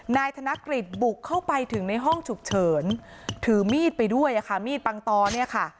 นายธนกฤษบุกเข้าไปถึงในห้องฉุกเฉินถือมีดไปด้วยอะค่ะมีดปังตอเนี่ยค่ะ